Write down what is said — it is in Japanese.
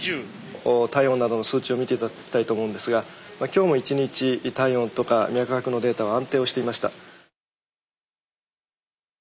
体温などの数値を見て頂きたいと思うんですが今日も一日体温とか脈拍のデータは安定をしていました。